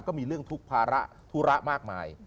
ก็มีเรื่องทุกภาระธุระมากมาย